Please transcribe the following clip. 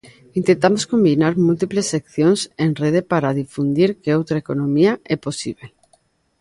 Intentamos combinar múltiples accións en rede para difundir que outra economía é posíbel.